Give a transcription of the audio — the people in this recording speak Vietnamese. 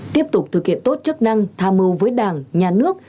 tiếp tục thực hiện tốt chức năng tham mưu với đảng nhà nước